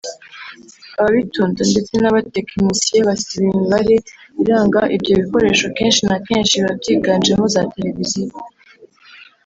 ababitunda ndetse n’abatekinisiye basiba imibare iranga ibyo bikoresho kenshi na kenshi biba byiganjemo za tereviziyo